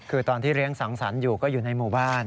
คือตอนที่เลี้ยงสังสรรค์อยู่ก็อยู่ในหมู่บ้าน